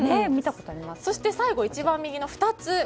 そして最後の一番右の２つ。